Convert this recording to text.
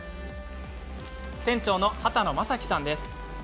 店長の波多野雅記さんです。